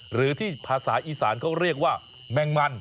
หรือที่ภาษาอีสานเขาเรียกว่าแมงมัน